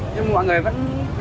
nhưng mọi người vẫn